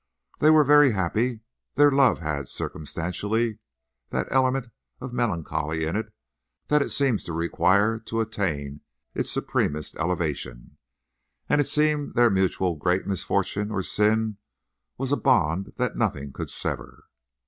They were very happy. Their love had, circumstantially, that element of melancholy in it that it seems to require to attain its supremest elevation. And it seemed that their mutual great misfortune or sin was a bond that nothing could sever.